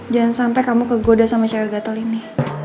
jangan sampai kamu kegoda sama cewek gatel ini